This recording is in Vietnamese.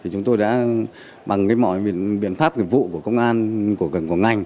chúng tôi đã bằng mọi biện pháp nghiệp vụ của công an của ngành